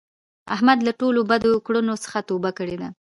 احمد له ټولو بدو کړونو څخه توبه کړې ده.